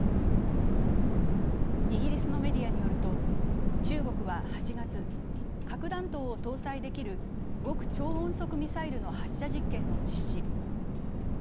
イギリスのメディアによると、中国は８月、核弾頭を搭載できる極超音速ミサイルの発射実験を実施。